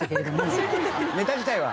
ネタ自体は？